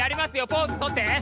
ポーズ取って。